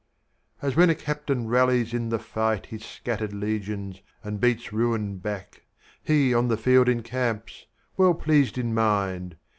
As when a captain rallies to the fight His scattered legions, and beats ruin back, He, on the field, encamps, well pleased in mind.